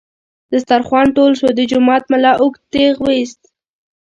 دسترخوان ټول شو، د جومات ملا اوږد ټېغ ویست.